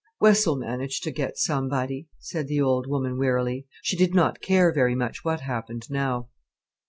"Wes'll manage to get somebody," said the old woman wearily. She did not care very much what happened, now.